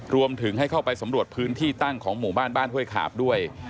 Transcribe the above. รวมถึงให้เข้าไปสำรวจพื้นที่ตั้งของหมู่บ้านบ้านห้วยขาบด้วย